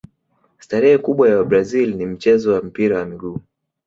starehe kubwa ya wabrazil ni mchezo wa mpira wa miguu